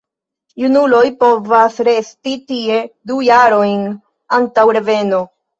Junuloj povas resti tie du jarojn antaŭ reveno.